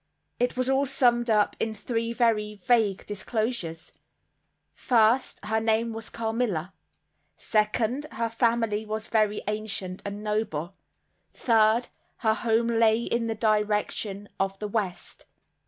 It was all summed up in three very vague disclosures: First—Her name was Carmilla. Second—Her family was very ancient and noble. Third—Her home lay in the direction of the west.